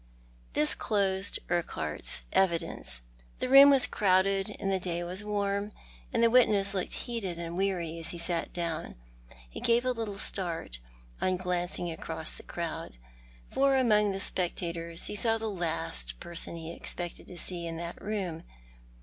This closed Urquhart's evidence. The room was crowded and the day was warm, and the witness looked heated and weary as ho sat down. He gave a little start on glancing across the crowd, for among the spectators he saw the last person he expected to see in that room.